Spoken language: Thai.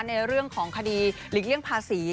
ในเรื่องของคดีหลีกเลี่ยงภาษี